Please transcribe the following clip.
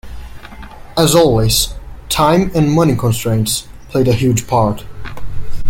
As always, time and money constraints played a huge part.